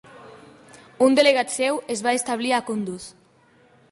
Un delegat seu es va establir a Kunduz.